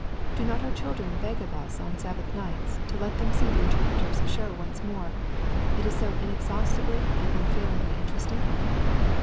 Do not our children beg of us on Sabbath nights to let them see the Interpreter's show once more; it is so inexhaustibly and unfailingly interesting?